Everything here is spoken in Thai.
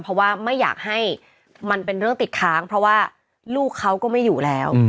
เพราะว่าไม่อยากให้มันเป็นเรื่องติดค้างเพราะว่าลูกเขาก็ไม่อยู่แล้ว